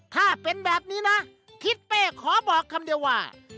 ถ้าเป็นแบบนี้นะทิศเป้ขอบอกคำเดียวว่า